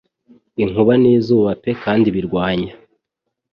Inkuba n'izuba pe kandi birwanya